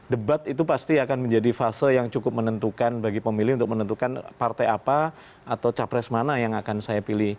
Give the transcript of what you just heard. debat itu pasti akan menjadi fase yang cukup menentukan bagi pemilih untuk menentukan partai apa atau capres mana yang akan saya pilih